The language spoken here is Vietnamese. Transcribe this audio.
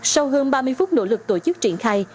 sau hơn ba mươi phút nỗ lực tổ chức triển khai